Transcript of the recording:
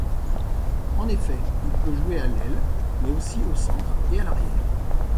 En effet, il peut jouer à l'aile mais aussi au centre et à l'arrière.